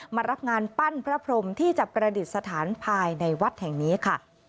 มารับงานปั้นพระพรมที่จะประดิษฐานภายในวัดแห่งนี้ค่ะ